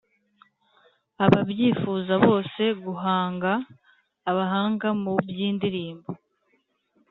ababyifuza bose guhanga. abahanga mu by’indirimbo